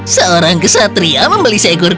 seorang kesatria membeli seekor kuda jatuh